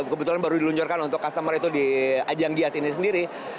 kebetulan baru diluncurkan untuk customer itu di ajang gias ini sendiri